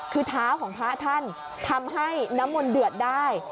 คือเท้าของพระท่านทำให้น้ำมนต์เดือดได้